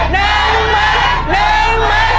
เนมเมน